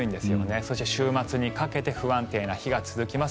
そして週末にかけて不安定な日が続きます。